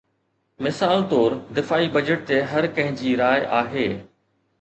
مثال طور، دفاعي بجيٽ تي هر ڪنهن جي راءِ آهي.